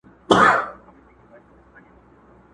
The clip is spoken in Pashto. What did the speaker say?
ګوندي دا خرابه خونه مو ګلشن شي.!